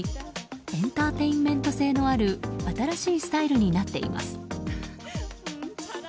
エンターテインメント性のある新しいスタイルになっています。